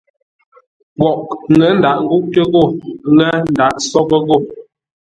Poghʼ ŋə̂ ndǎghʼ ngúʼtə́ ghô, Ŋə̂ ndǎghʼ nsóghʼə́ ghô.